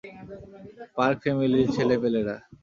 Park ফ্যামিলির ছেলেপেলেরা।